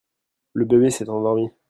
Le bébé s'est endormi.